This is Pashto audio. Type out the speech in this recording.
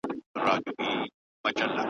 ویل ورکه یم په کورکي د رنګونو `